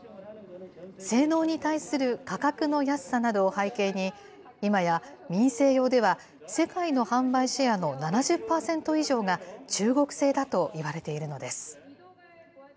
性能に対する価格の安さなどを背景に、今や、民生用では世界の販売シェアの７０％以上が中国製だといわれているのです。